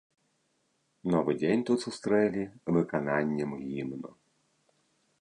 Новы дзень тут сустрэлі выкананнем гімну.